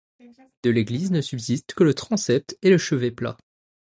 De l'église ne subsistent que le transept et le chevet plat.